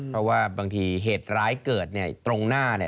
เพราะว่าบางทีเหตุร้ายเกิดตรงหน้า